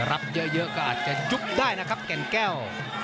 รับเยอะก็อาจจะยุบได้นะครับแก่นแก้ว